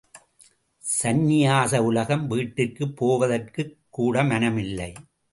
சந்நியாச உலகம் வீட்டிற்குப் போவதற்குக் கூட மனமில்லை.